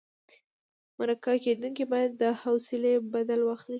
مرکه کېدونکی باید د حوصلې بدل واخلي.